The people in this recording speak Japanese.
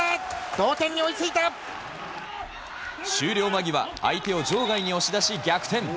同点に終了間際、相手を場外に押し出し逆転。